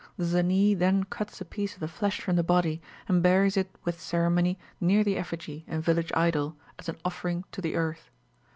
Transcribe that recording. The Zanee then cuts a piece of the flesh from the body, and buries it with ceremony near the effigy and village idol, as an offering to the earth.